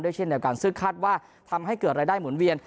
ด้วยเช่นในการซื้อคาดว่าทำให้เกิดรายได้หมุนเวียน